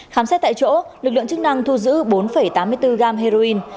khám xét tại chỗ lực lượng chức năng thu giữ bốn tám mươi bốn gram heroin